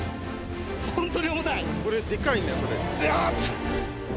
ホントに重たいよっと！